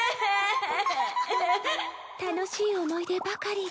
楽しい思い出ばかりで。